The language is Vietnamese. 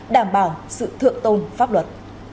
đảm bảo sự thượng tôn pháp luật